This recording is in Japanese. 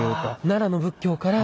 奈良の仏教から。